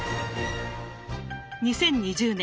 ２０２０年